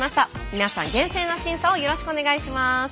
皆さん厳正な審査をよろしくお願いします。